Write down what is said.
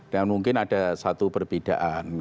dan mungkin ada satu perbedaan